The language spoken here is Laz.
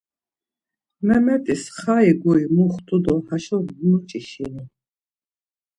Memet̆is xai guri muxtu do haşo nuç̌işinu.